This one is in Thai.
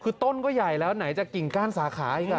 คือต้นก็ใหญ่แล้วไหนจะกิ่งก้านสาขาอีก